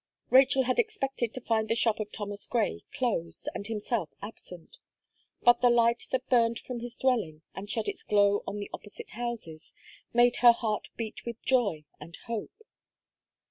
Rachel had expected to find the shop of Thomas Gray closed, and himself absent; but the light that burned from his dwelling, and shed its glow on the opposite houses, made her heart beat with joy and hope.